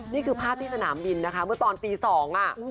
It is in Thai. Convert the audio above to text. นี่คือภาพที่สนามบินเมื่อตอนตีสอง